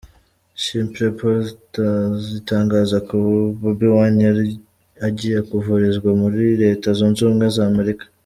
Chimpreports itangaza ko Bobi Wine yari agiye kuvurizwa muri Leta Zunze Ubumwe za Amerika.